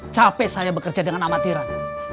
capek saya bekerja dengan amatiran